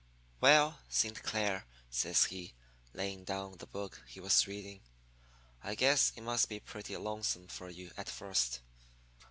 "'Well, Saint Clair,' says he, laying down the book he was reading, 'I guess it must be pretty lonesome for you at first.